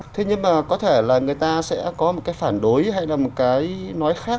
thế nhưng mà có thể là người ta sẽ có một cái phản đối hay là một cái nói khác